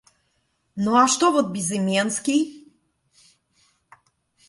Ну, а что вот Безыменский?!